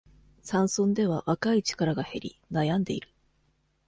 山村では、若い力が減り、悩んでいる。